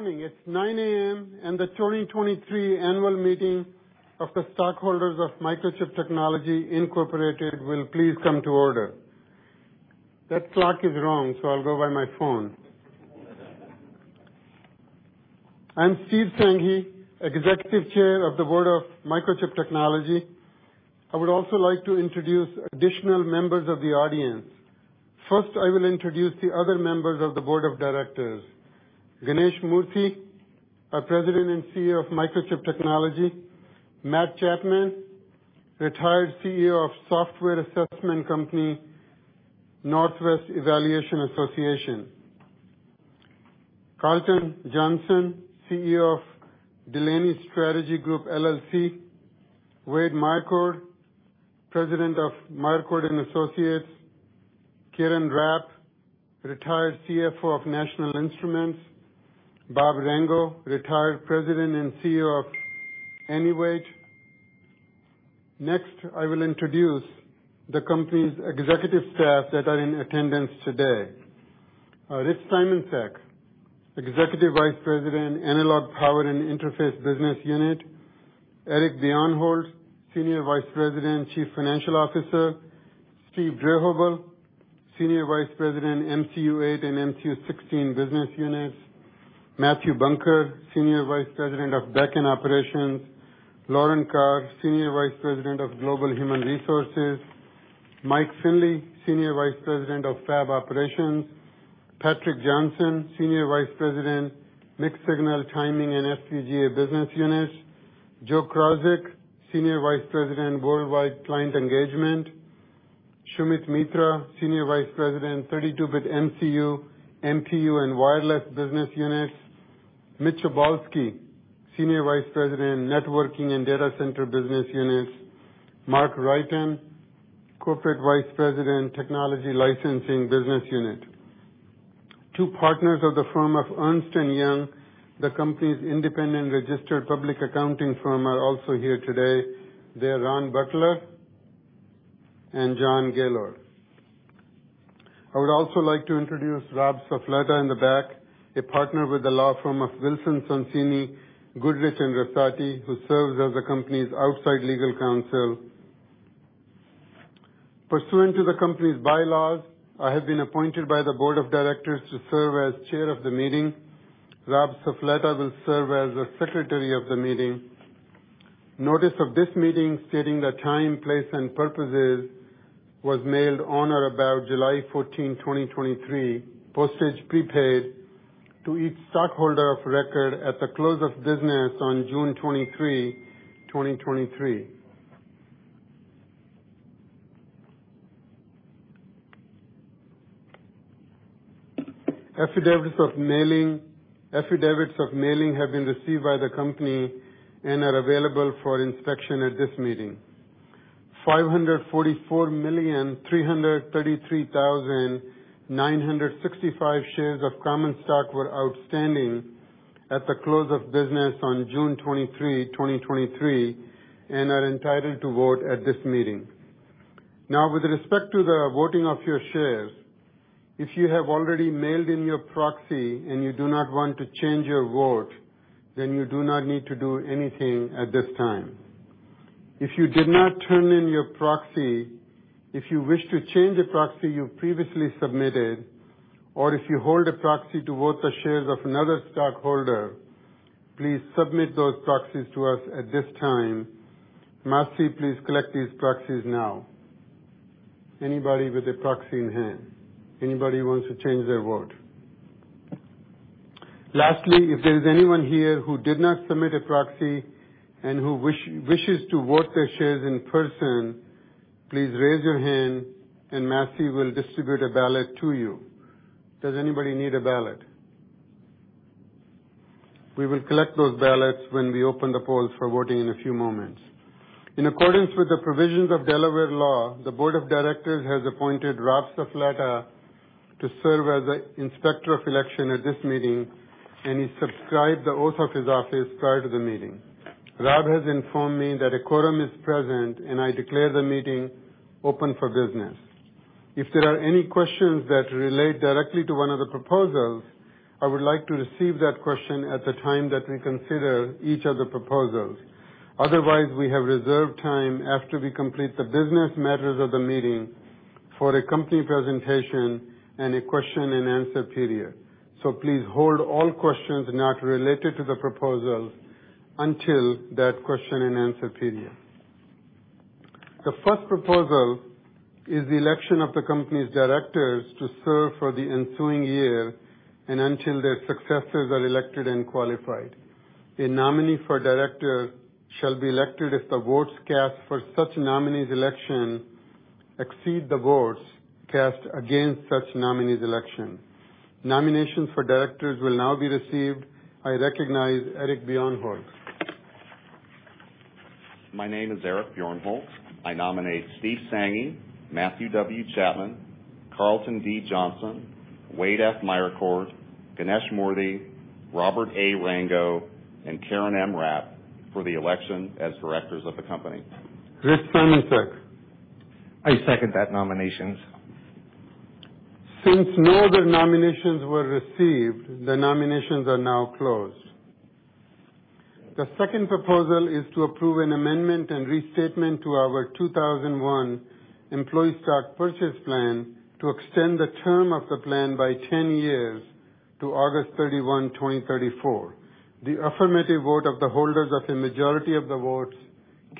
Good morning, it's 9:00 A.M. The 2023 annual meeting of the stockholders of Microchip Technology Incorporated will please come to order. That clock is wrong. I'll go by my phone. I'm Steve Sanghi, Executive Chair of the board of Microchip Technology. I would also like to introduce additional members of the audience. First, I will introduce the other members of the board of directors. Ganesh Moorthy, our President and CEO of Microchip Technology; Matt Chapman, Retired CEO of software assessment company, Northwest Evaluation Association; Karlton Johnson, CEO of DeLaine Strategy Group LLC; Wade Meyercord, President of Meyercord & Associates; Karen Rapp, Retired CFO of National Instruments; Robert Rango, Retired President and CEO of Enevate Corp. Next, I will introduce the company's executive staff that are in attendance today. Rich Simoncic, Executive Vice President, Analog Power and Interface Business Unit. Eric Bjornholt, Senior Vice President, Chief Financial Officer. Steve, Senior Vice President, MCU8 and MCU16 Business Units. Matthew Bunker, Senior Vice President of Back-end Operations. Lauren Carr, Senior Vice President of Global Human Resources. Mike Finley, Senior Vice President of Fab Operations. Patrick Johnson, Senior Vice President, Mixed Signal, Timing and FPGA Business Units. Joseph Krawczyk, Senior Vice President, Worldwide Client Engagement. Sumit Mitra, Senior Vice President, 32-bit MCU, MPU, and Wireless Business Unit. Mitchel Obolsky, Senior Vice President, Networking and Data Center Business Unit. Mark Reiten, Corporate Vice President, Technology Licensing Business Unit. Two partners of the firm of Ernst & Young, the company's independent registered public accounting firm, are also here today. They're Ron Butler and John Gaylord. I would also like to introduce Rob Suffoletta in the back, a partner with the law firm of Wilson Sonsini Goodrich & Rosati, who serves as the company's outside legal counsel. Pursuant to the company's bylaws, I have been appointed by the board of directors to serve as chair of the meeting. Rob Suffoletta will serve as the secretary of the meeting. Notice of this meeting, stating the time, place, and purposes, was mailed on or about July 14th, 2023, postage prepaid to each stockholder of record at the close of business on June 23, 2023. Affidavits of mailing, affidavits of mailing have been received by the company and are available for inspection at this meeting. 544,333,965 shares of common stock were outstanding at the close of business on June 23rd, 2023, and are entitled to vote at this meeting. Now, with respect to the voting of your shares, if you have already mailed in your proxy and you do not want to change your vote, then you do not need to do anything at this time. If you did not turn in your proxy, if you wish to change a proxy you previously submitted, or if you hold a proxy to vote the shares of another stockholder, please submit those proxies to us at this time. Marcy, please collect these proxies now. Anybody with a proxy in hand? Anybody who wants to change their vote? Lastly, if there is anyone here who did not submit a proxy and who wishes to vote their shares in person, please raise your hand, and Marcy will distribute a ballot to you. Does anybody need a ballot? We will collect those ballots when we open the polls for voting in a few moments. In accordance with the provisions of Delaware law, the board of directors has appointed Rob Suffoletta to serve as the Inspector of Election at this meeting, and he subscribed the oath of his office prior to the meeting. Rob has informed me that a quorum is present, and I declare the meeting open for business. If there are any questions that relate directly to one of the proposals, I would like to receive that question at the time that we consider each of the proposals. Otherwise, we have reserved time after we complete the business matters of the meeting for a company presentation and a question-and-answer period. Please hold all questions not related to the proposal until that question-and-answer period. The first proposal is the election of the company's Directors to serve for the ensuing year and until their successors are elected and qualified. A nominee for Director shall be elected if the votes cast for such nominee's election exceed the votes cast against such nominee's election. Nominations for Directors will now be received. I recognize Eric Bjornholt. My name is Eric Bjornholt. I nominate Steve Sanghi, Matthew W. Chapman, Karlton D. Johnson, Wade F. Meyercord, Ganesh Moorthy, Robert A. Rango, and Karen M. Rapp for the election as directors of the company. Rich Simoncic. I second that nominations. Since no other nominations were received, the nominations are now closed. The second proposal is to approve an amendment and restatement to our 2001 Employee Stock Purchase Plan to extend the term of the plan by 10 years to August 31st, 2034. The affirmative vote of the holders of the majority of the votes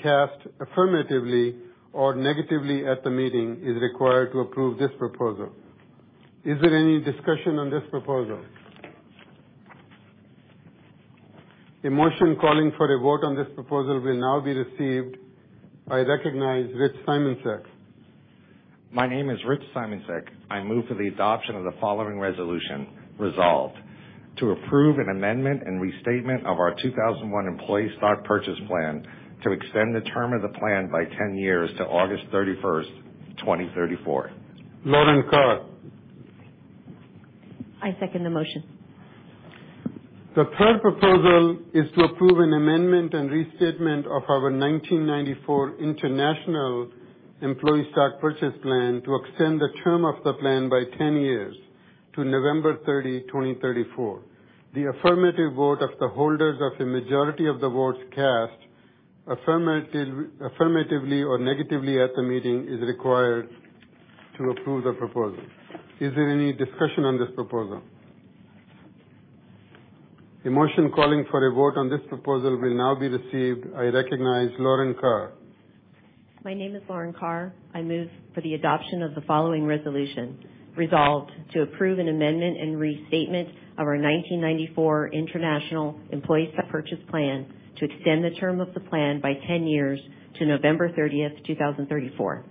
cast affirmatively or negatively at the meeting is required to approve this proposal. Is there any discussion on this proposal? A motion calling for a vote on this proposal will now be received. I recognize Rich Simoncic. My name is Rich Simoncic. I move for the adoption of the following resolution. Resolved to approve an amendment and restatement of our 2001 Employee Stock Purchase Plan to extend the term of the plan by 10 years to August 31st, 2034. Lauren Carr? I second the motion. The third proposal is to approve an amendment and restatement of our 1994 International Employee Stock Purchase Plan to extend the term of the plan by 10 years to November 30th, 2034. The affirmative vote of the holders of the majority of the votes cast affirmatively or negatively at the meeting, is required to approve the proposal. Is there any discussion on this proposal? A motion calling for a vote on this proposal will now be received. I recognize Lauren Carr. My name is Lauren Carr. I move for the adoption of the following resolution. Resolved to approve an amendment and restatement of our 1994 International Employee Stock Purchase Plan to extend the term of the plan by 10 years to November 30, 2034.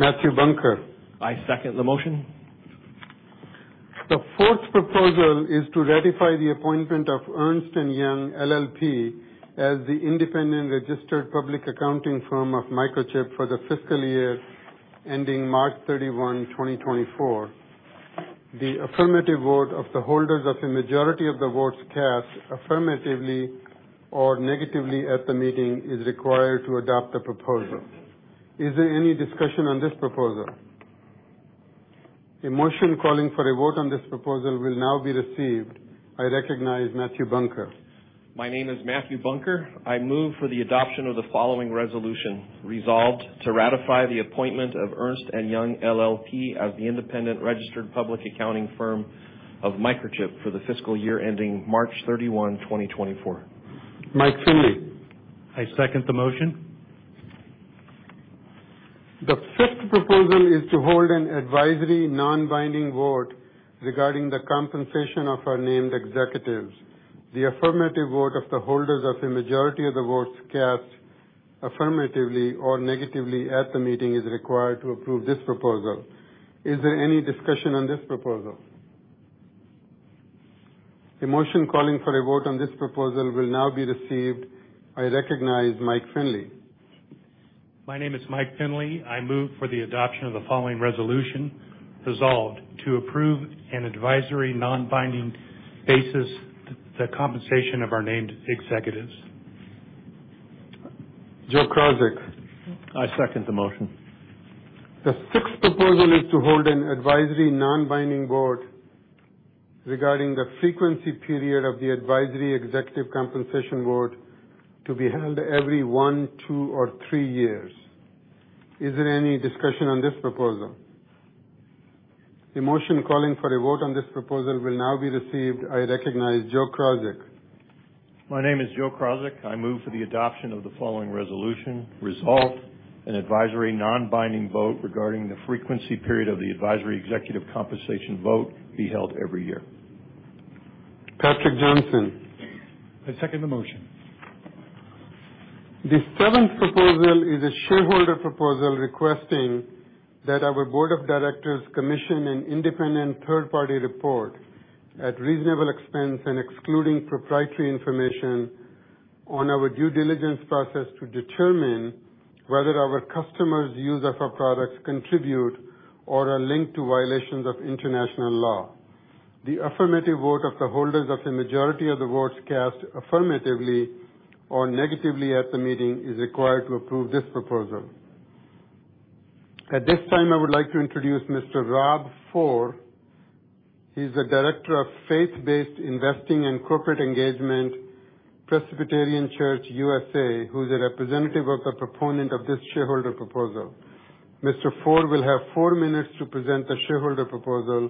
Matthew Bunker? I second the motion. The fourth proposal is to ratify the appointment of Ernst & Young LLP, as the independent registered public accounting firm of Microchip for the fiscal year ending March 31st, 2024. The affirmative vote of the holders of the majority of the votes cast affirmatively or negatively at the meeting, is required to adopt the proposal. Is there any discussion on this proposal? A motion calling for a vote on this proposal will now be received. I recognize Matthew Bunker. My name is Mathew Bunker. I move for the adoption of the following resolution. Resolved to ratify the appointment of Ernst & Young LLP, as the independent registered public accounting firm of Microchip for the fiscal year ending March 31st, 2024. Mike Finley. I second the motion. The fifth proposal is to hold an advisory non-binding vote regarding the compensation of our named executives. The affirmative vote of the holders of the majority of the votes cast affirmatively or negatively at the meeting, is required to approve this proposal. Is there any discussion on this proposal? A motion calling for a vote on this proposal will now be received. I recognize Michael Finley. My name is Mike Finley. I move for the adoption of the following resolution. Resolved to approve an advisory non-binding basis, the compensation of our named executives. Joseph Krawczyk. I second the motion. The sixth proposal is to hold an advisory non-binding vote regarding the frequency period of the advisory executive compensation vote to be held every one, two, or three years. Is there any discussion on this proposal? A motion calling for a vote on this proposal will now be received. I recognize Joseph Krawczyk. My name is Joseph Krawczyk. I move for the adoption of the following resolution. Resolved an advisory non-binding vote regarding the frequency period of the advisory executive compensation vote be held every year. Patrick Johnson. I second the motion. The seventh proposal is a shareholder proposal requesting that our board of directors commission an independent third-party report at reasonable expense and excluding proprietary information on our due diligence process, to determine whether our customers' use of our products contribute or are linked to violations of international law. The affirmative vote of the holders of the majority of the votes cast affirmatively or negatively at the meeting, is required to approve this proposal. At this time, I would like to introduce Mr. Rob Fohr. He's the Director of Faith-Based Investing and Corporate Engagement, Presbyterian Church (USA), who's a representative of the proponent of this shareholder proposal. Mr. Fohr will have 4 minutes to present the shareholder proposal.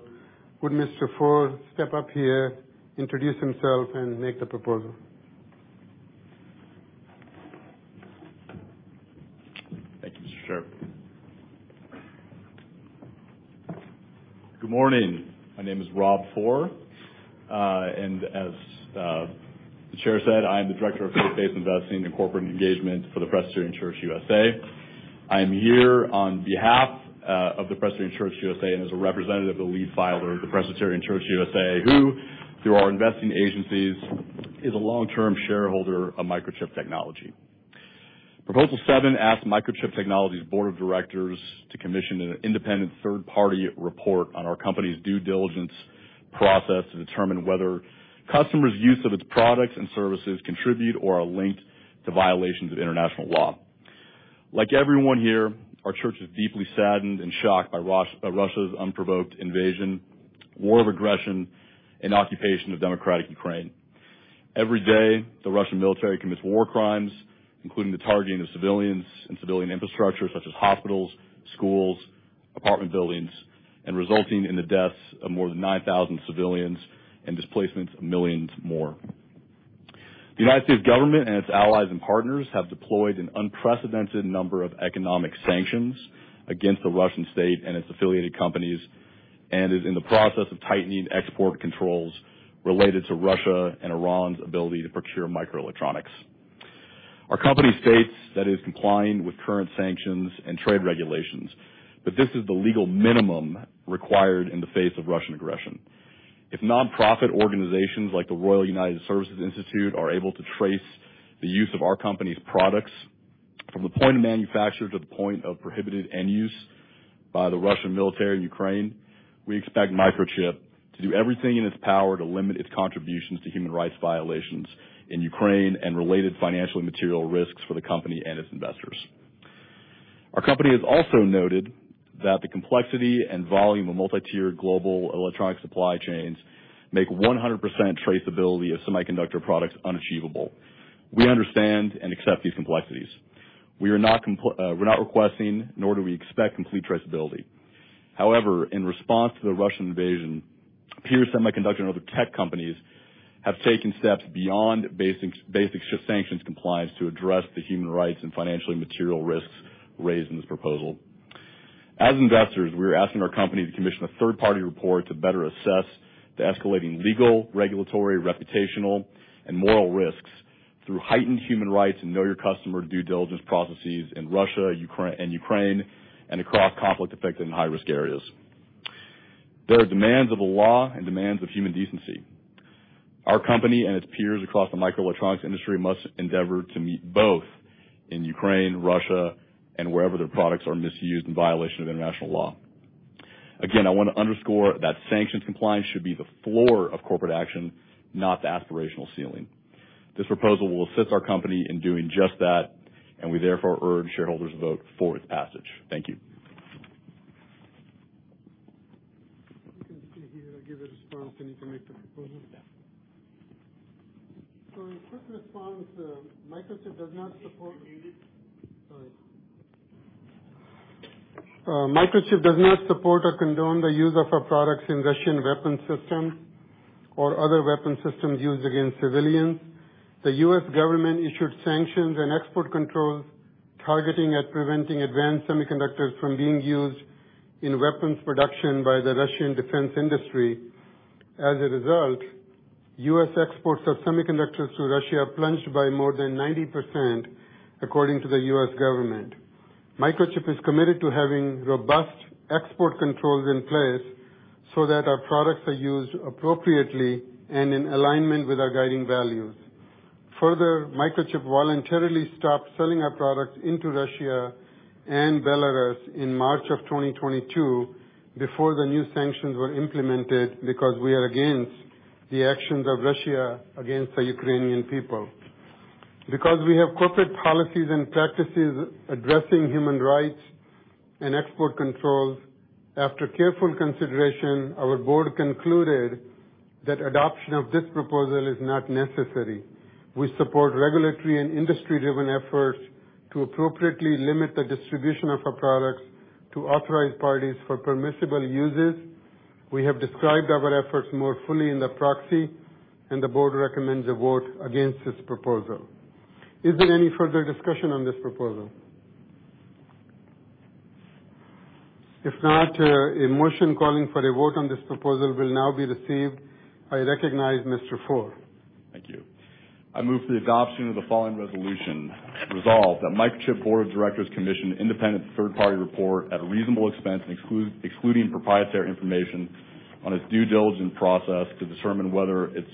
Would Mr. Fohr step up here, introduce himself, and make the proposal? Thank you, Mr. Chair. Good morning. My name is Rob Fohr, and as the chair said, I am the Director of Faith-Based Investing and Corporate Engagement for the Presbyterian Church (U.S.A.). I am here on behalf of the Presbyterian Church (U.S.A.), and as a representative of the lead filer, the Presbyterian Church (U.S.A.), who, through our investing agencies, is a long-term shareholder of Microchip Technology. Proposal 7 asks Microchip Technology's board of directors to commission an independent third-party report on our company's due diligence process to determine whether customers' use of its products and services contribute or are linked to violations of international law. Like everyone here, our church is deeply saddened and shocked by Russia's unprovoked invasion, war of aggression, and occupation of democratic Ukraine. Every day, the Russian military commits war crimes, including the targeting of civilians and civilian infrastructure, such as hospitals, schools, apartment buildings, and resulting in the deaths of more than 9,000 civilians and displacements of millions more. The United States government and its allies and partners have deployed an unprecedented number of economic sanctions against the Russian state and its affiliated companies, and is in the process of tightening export controls related to Russia and Iran's ability to procure microelectronics. Our company states that it is complying with current sanctions and trade regulations, but this is the legal minimum required in the face of Russian aggression. If nonprofit organizations like the Royal United Services Institute are able to trace the use of our company's products from the point of manufacture to the point of prohibited end use by the Russian military in Ukraine, we expect Microchip to do everything in its power to limit its contributions to human rights violations in Ukraine and related financially material risks for the company and its investors. Our company has also noted that the complexity and volume of multi-tiered global electronic supply chains make 100% traceability of semiconductor products unachievable. We understand and accept these complexities. We are not compl-, we're not requesting, nor do we expect complete traceability. However, in response to the Russian invasion, peer semiconductor and other tech companies have taken steps beyond basic sanctions compliance to address the human rights and financially material risks raised in this proposal. As investors, we are asking our company to commission a third-party report to better assess the escalating legal, regulatory, reputational, and moral risks through heightened human rights and know your customer due diligence processes in Russia, Ukraine, and Ukraine, and across conflict-affected and high-risk areas. There are demands of the law and demands of human decency. Our company and its peers across the microelectronics industry must endeavor to meet both in Ukraine, Russia, and wherever their products are misused in violation of international law. Again, I want to underscore that sanctions compliance should be the floor of corporate action, not the aspirational ceiling. This proposal will assist our company in doing just that. We therefore urge shareholders to vote for its passage. Thank you. You can stay here and give a response. You can make the proposal. Yeah. In quick response, Microchip does not support- Sorry. Microchip does not support or condone the use of our products in Russian weapon systems or other weapon systems used against civilians. The U.S. government issued sanctions and export controls targeting at preventing advanced semiconductors from being used in weapons production by the Russian defense industry. As a result, U.S. exports of semiconductors to Russia plunged by more than 90%, according to the U.S. government. Microchip is committed to having robust export controls in place so that our products are used appropriately and in alignment with our guiding values. Further, Microchip voluntarily stopped selling our products into Russia and Belarus in March of 2022, before the new sanctions were implemented, because we are against the actions of Russia against the Ukrainian people. Because we have corporate policies and practices addressing human rights and export controls, after careful consideration, our board concluded that adoption of this proposal is not necessary. We support regulatory and industry-driven efforts to appropriately limit the distribution of our products to authorized parties for permissible uses. We have described our efforts more fully in the proxy, and the board recommends a vote against this proposal. Is there any further discussion on this proposal? If not, a motion calling for a vote on this proposal will now be received. I recognize Mr. Fohr. Thank you. I move for the adoption of the following resolution. Resolved that Microchip Board of Directors commission an independent third-party report at a reasonable expense, excluding proprietary information, on its due diligence process to determine whether its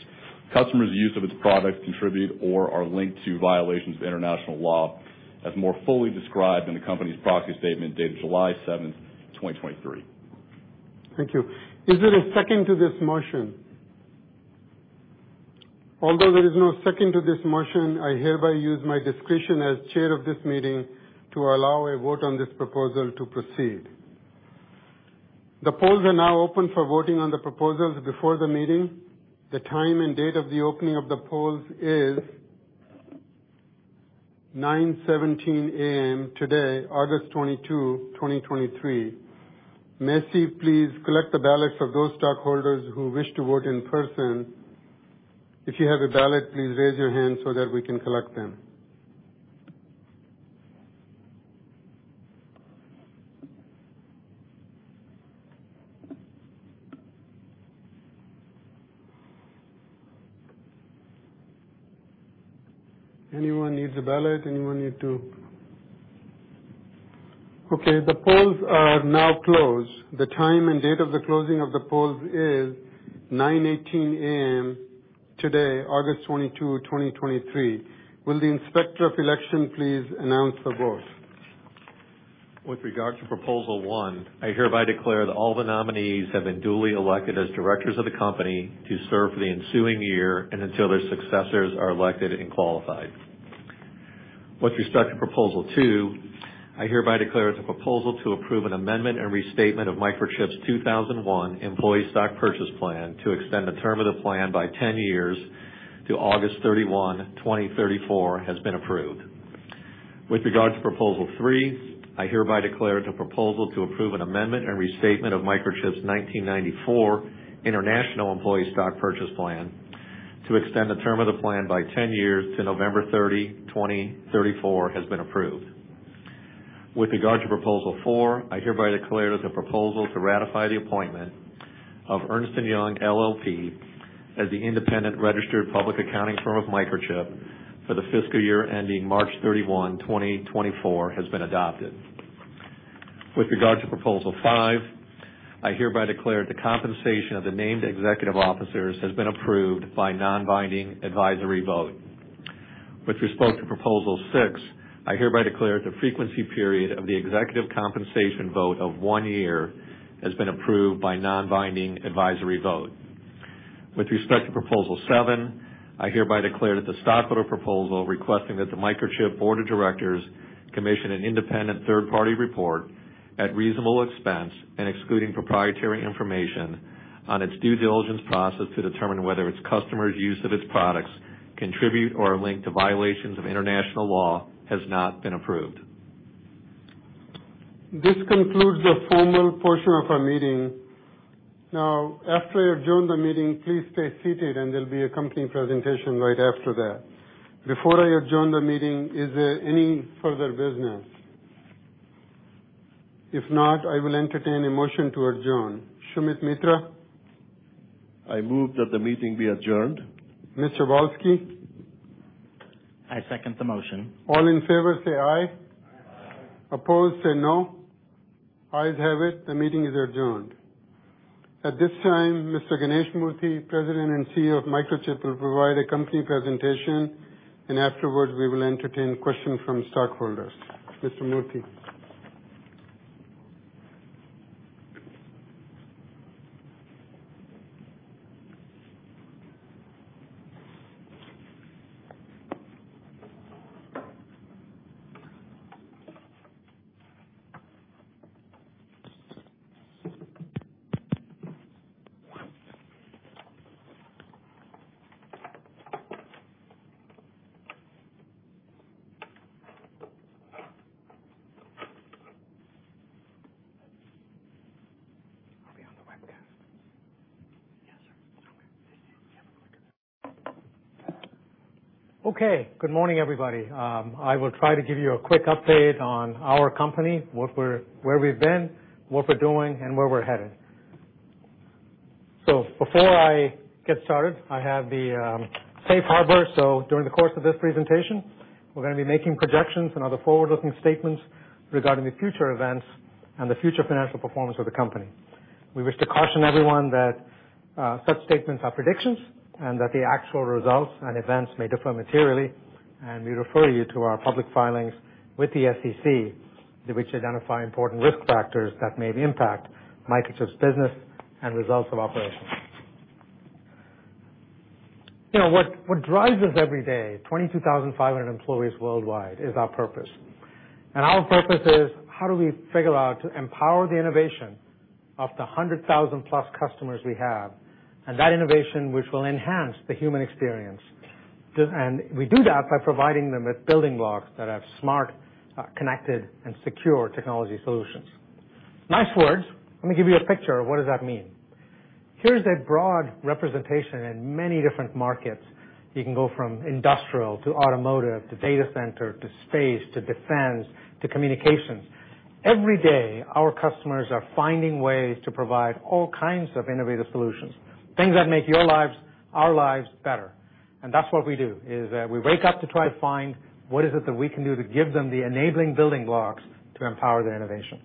customers' use of its products contribute or are linked to violations of international law, as more fully described in the company's proxy statement dated July seventh, 2023. Thank you. Is there a second to this motion? Although there is no second to this motion, I hereby use my discretion as chair of this meeting to allow a vote on this proposal to proceed. The polls are now open for voting on the proposals before the meeting. The time and date of the opening of the polls is 9:17 A.M. today, August 22, 2023. Missy, please collect the ballots of those stockholders who wish to vote in person. If you have a ballot, please raise your hand so that we can collect them. Anyone needs a ballot? Anyone need? Okay, the polls are now closed. The time and date of the closing of the polls is 9:18 A.M. today, August 22nd, 2023. Will the Inspector of Election please announce the vote? With regard to Proposal One, I hereby declare that all the nominees have been duly elected as directors of the company to serve for the ensuing year and until their successors are elected and qualified. With respect to Proposal Two, I hereby declare that the proposal to approve an amendment and restatement of Microchip's 2001 Employee Stock Purchase Plan to extend the term of the plan by 10 years to August 31, 2034, has been approved. With regard to Proposal Three, I hereby declare that the proposal to approve an amendment and restatement of Microchip's 1994 International Employee Stock Purchase Plan, to extend the term of the plan by 10 years to November 30, 2034, has been approved. With regard to Proposal Four, I hereby declare that the proposal to ratify the appointment of Ernst & Young LLP as the independent registered public accounting firm of Microchip for the fiscal year ending March 31st, 2024, has been adopted. With regard to Proposal Five, I hereby declare the compensation of the named executive officers has been approved by non-binding advisory vote. With respect to Proposal Six, I hereby declare that the frequency period of the executive compensation vote of one year has been approved by non-binding advisory vote. With respect to Proposal Seven, I hereby declare that the stockholder proposal, requesting that the Microchip board of directors commission an independent third party report at reasonable expense and excluding proprietary information on its due diligence process to determine whether its customers' use of its products contribute or are linked to violations of international law, has not been approved. This concludes the formal portion of our meeting. After I adjourn the meeting, please stay seated and there'll be a company presentation right after that. Before I adjourn the meeting, is there any further business? If not, I will entertain a motion to adjourn. Sumit Mitra? I move that the meeting be adjourned. Mr. Obolsky,? I second the motion. All in favor, say, "Aye. Aye. Opposed, say, "No." Ayes have it. The meeting is adjourned. At this time, Mr. Ganesh Moorthy, President and CEO of Microchip, will provide a company presentation, and afterwards, we will entertain questions from stockholders. Mr. Moorthy? Okay, good morning, everybody. I will try to give you a quick update on our company, where we've been, what we're doing, and where we're headed. Before I get started, I have the Safe Harbor. During the course of this presentation, we're gonna be making projections and other forward-looking statements regarding the future events and the future financial performance of the company. We wish to caution everyone that such statements are predictions and that the actual results and events may differ materially, and we refer you to our public filings with the SEC, in which identify important risk factors that may impact Microchip's business and results of operations. You know, what, what drives us every day, 22,500 employees worldwide, is our purpose. Our purpose is, how do we figure out to empower the innovation of the 100,000-plus customers we have, and that innovation, which will enhance the human experience. We do that by providing them with building blocks that have smart, connected, and secure technology solutions. Nice words. Let me give you a picture of what does that mean. Here's a broad representation in many different markets. You can go from industrial, to automotive, to data center, to space, to defense, to communications. Every day, our customers are finding ways to provide all kinds of innovative solutions, things that make your lives, our lives, better. That's what we do, is, we wake up to try to find what is it that we can do to give them the enabling building blocks to empower their innovation.